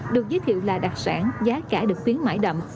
được giới thiệu là đặc sản giá cả được khuyến mãi đậm